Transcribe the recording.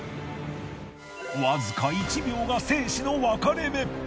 わずか１秒が生死の分かれ目。